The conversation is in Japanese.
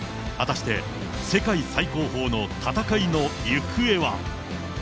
果たして世界最高峰の戦いの行方は。